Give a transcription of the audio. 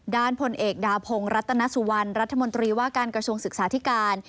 ผลเอกดาพงศ์รัตนสุวรรณรัฐมนตรีว่าการกระทรวงศึกษาธิการ